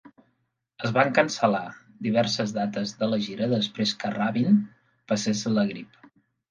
Es van cancel·lar diverses dates de la gira després que Rabin passés la grip.